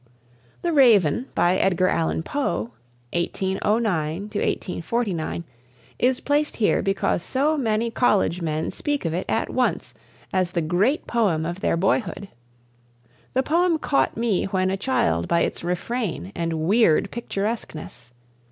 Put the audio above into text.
"The Raven," by Edgar Allan Poe (1809 49), is placed here because so many college men speak of it at once as the great poem of their boyhood. The poem caught me when a child by its refrain and weird picturesqueness.